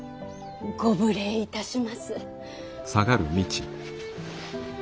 ご無礼いたします。